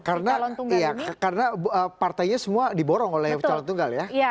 karena partainya semua diborong oleh calon tunggal ya